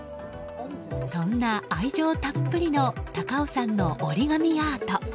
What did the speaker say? そんな愛情たっぷりの高尾山の折り紙アート。